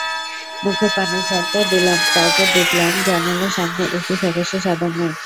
মুখে পানির ঝাপটা দিলাম, তারপর দেখলাম জানালার সামনে একটি ফ্যাকাসে সাদা মুখ।